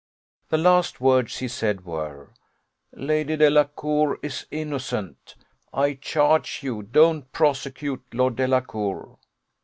The last words he said were, 'Lady Delacour is innocent I charge you, don't prosecute Lord Delacour.